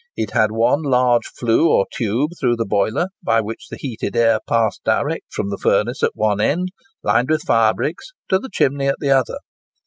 It had one large flue or tube through the boiler, by which the heated air passed direct from the furnace at one end, lined with fire bricks, to the chimney at the other.